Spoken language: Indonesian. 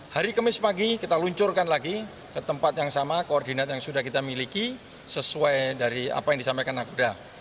hari kemis pagi kita luncurkan lagi ke tempat yang sama koordinat yang sudah kita miliki sesuai dari apa yang disampaikan nakuda